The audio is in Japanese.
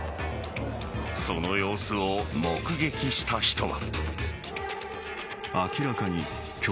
その様子を目撃した人は。